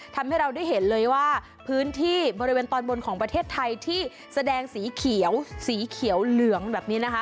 ทำให้เราได้เห็นเลยว่าพื้นที่บริเวณตอนบนของประเทศไทยที่แสดงสีเขียวสีเขียวเหลืองแบบนี้นะคะ